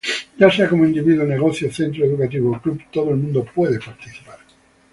Ya sea como individuo, negocio, centro educativo o club, todo el mundo puede participar.